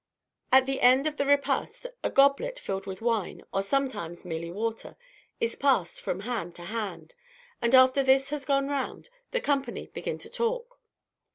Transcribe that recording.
At the end of the repast, a goblet, filled with wine, or sometimes merely water, is passed from hand to hand, and after this had gone round, the company begin to talk.